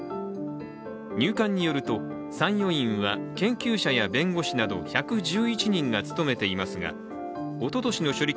入管によると参与員は研究者や弁護士など１１１人が務めていますがおととしの処理